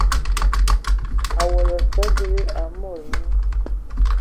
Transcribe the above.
Awɔla afe bɛn dili a mod nyi.